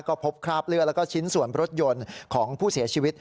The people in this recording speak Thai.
ก็พบคราบเลือดแล้วก็ชิ้นส่วนรถยนต์ของผู้เสียชีวิต